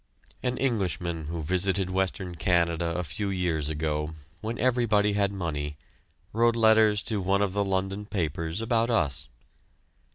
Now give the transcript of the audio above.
An Englishman who visited Western Canada a few years ago, when everybody had money, wrote letters to one of the London papers about us.